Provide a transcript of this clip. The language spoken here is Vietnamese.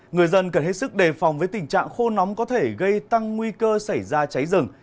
người dân cần hết sức đề phòng với tình trạng khô nóng có thể gây tăng nguy cơ xảy ra cháy rừng